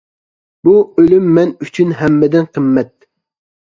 بۇ ئۆلۈم مەن ئۈچۈن ھەممىدىن قىممەت.